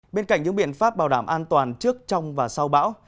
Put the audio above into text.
bên cạnh những biện pháp bảo đảm an toàn trước trong và sau bão